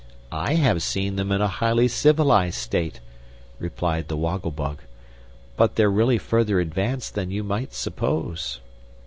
"I have seen them in a highly civilized state," replied the Woggle Bug, "and they're really further advanced than you might suppose."